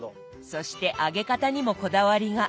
そして揚げ方にもこだわりが。